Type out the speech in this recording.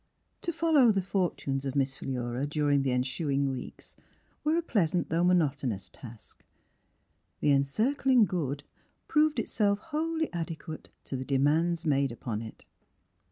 To follow the fortunes of Miss Philura during the ensu ing weeks were a pleasant though monotonous task; the encircling Good proved itself wholly adequate to the de mands made upon it.